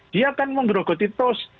dia akan menggerogoti tos